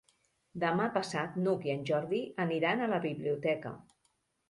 Demà passat n'Hug i en Jordi aniran a la biblioteca.